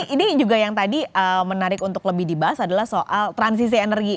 ini juga yang tadi menarik untuk lebih dibahas adalah soal transisi energi